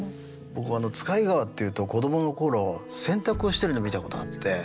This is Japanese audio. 僕「使ひ川」っていうと子どもの頃洗濯をしてるの見たことがあって川で。